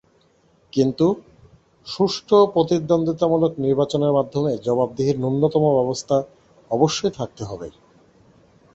কিন্তু, সুষ্ঠু প্রতিদ্বন্দ্বিতামূলক নির্বাচনের মাধ্যমে জবাবদিহির ন্যূনতম ব্যবস্থা অবশ্যই থাকতে হবে।